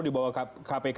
di bawah kpk